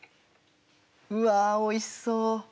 うわおいしそう。